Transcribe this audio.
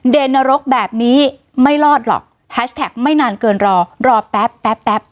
นรกแบบนี้ไม่รอดหรอกแฮชแท็กไม่นานเกินรอรอแป๊บแป๊บแป๊บ